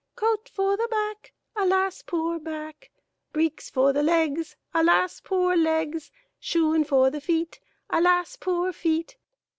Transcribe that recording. Coat for the back, alas poor back ! Breeks for the legs, alas poor legs ! Shoen for the feet, alas poor feet